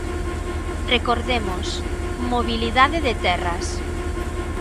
Recordemos: mobilidade de terras.